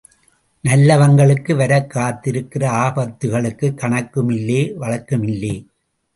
நல்லவங்களுக்கு வரக்காத்திருக்கிற ஆபத்துக்களுக்குக் கணக்குமில்லே, வழக்குமில்லே.